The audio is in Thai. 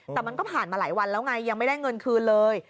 แต่มันก็ผ่านมาหลายวันแล้วไงยังไม่ได้เงินคืนเลย